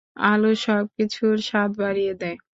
আলু সবকিছুর স্বাদ বাড়িয়ে দেয়।